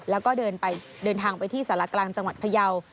แล้วก็เดินทางไปที่สารกลางจังหวัดพยาว